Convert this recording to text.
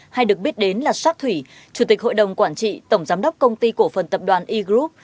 hay được biết đến là shark thủy chủ tịch hội đồng quản trị tổng giám đốc công ty cổ phần tập đoàn e group